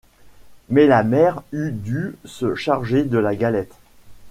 Mais la mère eût dû se charger de la galette.